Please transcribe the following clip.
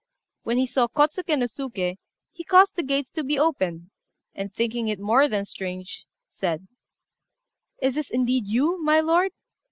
When he saw Kôtsuké no Suké, he caused the gates to be opened, and, thinking it more than strange, said "Is this indeed you, my lord?